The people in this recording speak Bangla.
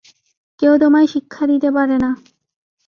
কেউ তোমায় শিক্ষা দিতে পারে না।